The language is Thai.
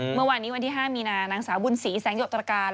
เมื่อวานนี้วันที่๕มีนานางสาวบุญศรีแสงหยกตรการ